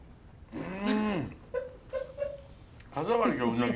うん。